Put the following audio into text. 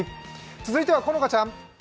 続いては好花ちゃん。